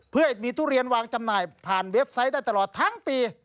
เพื่อให้มีทุเรียนวางจำหน่ายผ่านเว็บไซต์ได้ตลอดทั้งปี